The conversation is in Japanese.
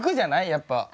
やっぱ。